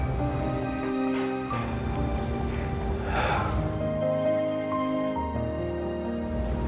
berpisah sementara dengan elsa